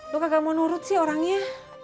lu kagak mau nurut sih orangnya